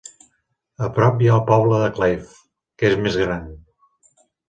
A prop hi ha el poble de Clive, que és més gran.